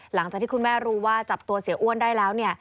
หลังจากที่คุณแม่รู้ว่าจับตัวเสียอ้วนได้แล้ว